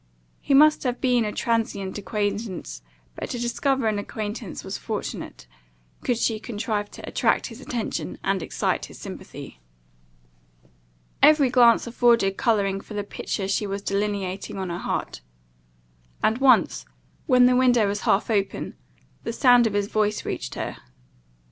He must have been a transient acquaintance; but to discover an acquaintance was fortunate, could she contrive to attract his attention, and excite his sympathy. Every glance afforded colouring for the picture she was delineating on her heart; and once, when the window was half open, the sound of his voice reached her.